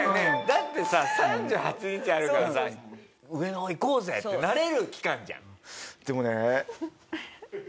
だってさ３８日あるからさ上の方行こうぜってなれる期間じゃん。